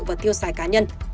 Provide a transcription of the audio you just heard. và tiêu xài cá nhân